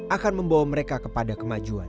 akan membawa mereka kepada kemajuan